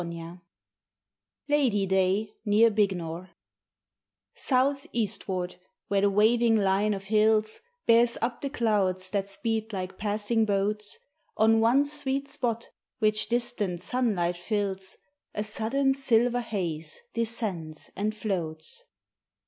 VIII LADY DAY NEAR BIGNOR SOUTH EASTWARD where the waving line of hills Bears up the clouds that speed like passing boats, On one sweet spot which distant sunlight fills A sudden silver haze descends and floats.